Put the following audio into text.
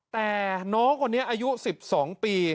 แต่น้องคนนี้อายุ๑๒ปี